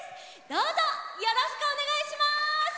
どうぞよろしくおねがいします！